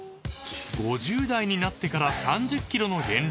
［５０代になってから３０ｋｇの減量？］